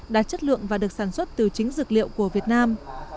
đạt chất lượng và được sản xuất từ chính dược liệu của việt nam